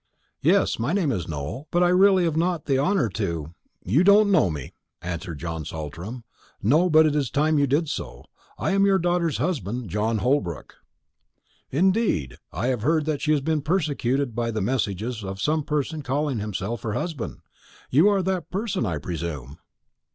"Yes, my name is Nowell. But I have really not the honour to " "You do not know me," answered John Saltram. "No, but it is time you did so. I am your daughter's husband, John Holbrook." "Indeed. I have heard that she has been persecuted by the messages of some person calling himself her husband. You are that person, I presume."